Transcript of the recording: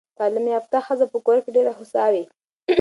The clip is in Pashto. تعلیم یافته ښځه په کور کې ډېره هوسا وي.